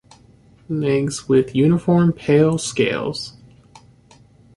Legs with uniform pale scales.